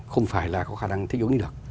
không phải là có khả năng thích dưỡng đi được